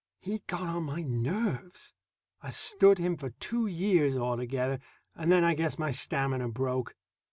He got on my nerves. I stood him for two years altogether, and then I guess my stamina broke.